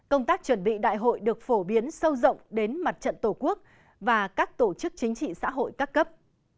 công tác chuẩn bị đại hội được phổ biến sâu rộng đến mặt trận tổ quốc và các tổ chức chính trị xã hội các cấp